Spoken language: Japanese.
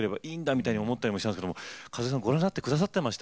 みたいに思ったりもしたんですが和恵さんご覧になって下さってました？